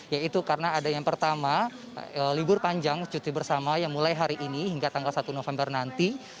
yaitu karena ada yang pertama libur panjang cuti bersama yang mulai hari ini hingga tanggal satu november nanti